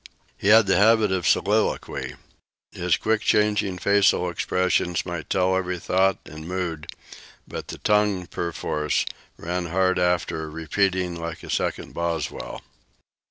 He had the habit of soliloquy. His quick changing facial expressions might tell every thought and mood, but the tongue, perforce, ran hard after, repeating, like a second Boswell.